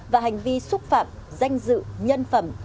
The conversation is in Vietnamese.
và hành vi xúc phạm danh dự nhân phẩm